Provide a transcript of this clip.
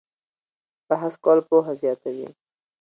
بحث کول پوهه زیاتوي